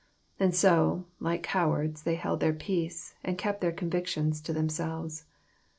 And so, like cowards, they held their peace, and kept their convictions to themselves.